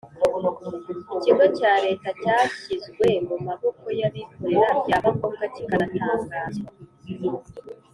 ikigo cya Leta cyashyizwe mumaboko y abikorera byaba ngombwa kikanatangazwa